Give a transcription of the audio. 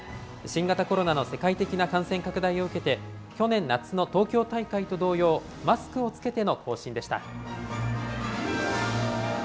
新型コロナの世界的な感染拡大を受けて、去年夏の東京大会と同様、マスクを着けての行進でした。